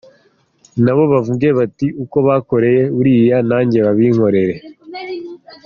Nabo bavuge bati ‘uko bakoreye uriya nanjye babinkorere.